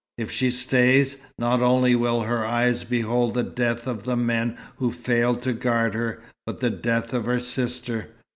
If she stays, not only will her eyes behold the death of the men who failed to guard her, but the death of her sister.